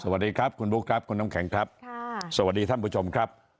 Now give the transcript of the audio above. สวัสดีครับคุณบุ๊คครับคุณน้ำแข็งครับค่ะสวัสดีท่านผู้ชมครับ